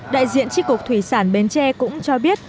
đại diện tri cục thủy sản bến tre cũng cho biết